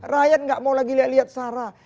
rakyat nggak mau lagi lihat lihat sarah